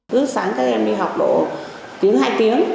tức sáng các em đi học đổ tiếng hai tiếng